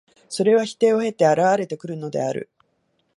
それは否定を経て現れてくるのである。